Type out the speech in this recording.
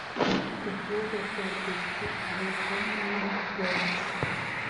Icyo kiyaga cya Albert gihurirwaho n’ibihugu byombi